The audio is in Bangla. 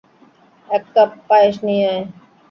এক কাপ পায়েস নিয়ে আয়।